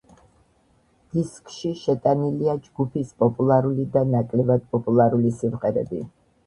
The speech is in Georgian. დისკში შეტანილია ჯგუფის პოპულარული და ნაკლებად პოპულარული სიმღერები.